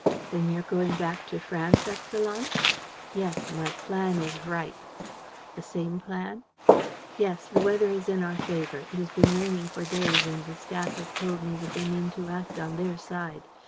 "Then you're going back to France, Excellenz?" "Yes, my plan is ripe." "The same plan?" "Yes. The weather is in our favor. It has been raining for days and the staff have told me that they mean to act on their side.